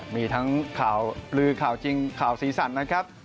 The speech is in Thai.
มีทั้งข่าวลือข่าวจริงข่าวสีสันนะครับ